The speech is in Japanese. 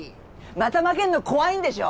また負けんの怖いんでしょ？